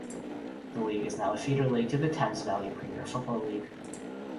The league is now a feeder league to the Thames Valley Premier Football League.